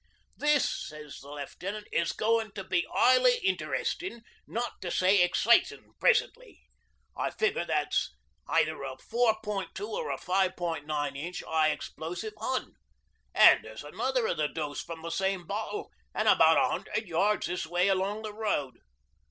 '"This," says the Left'nant, "is goin' to be highly interestin', not to say excitin', presently. I figure that's either a four point two or a five point nine inch high explosive Hun. An' there's another o' the dose from the same bottle, an' about a hundred yards this way along the road.